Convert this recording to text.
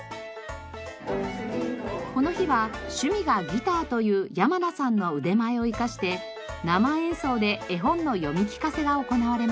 この日は趣味がギターという山名さんの腕前を生かして生演奏で絵本の読み聞かせが行われました。